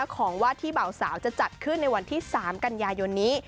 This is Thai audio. ของวาดที่เบาสาวจะจัดขึ้นในวันที่๓กันยายนนี้